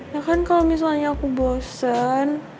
ya kan kalau misalnya aku bosen